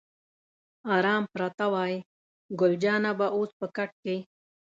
آرام پراته وای، ګل جانه به اوس په کټ کې.